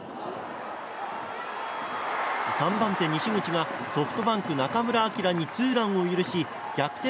３番手、西口がソフトバンク、中村晃にツーランを許し逆転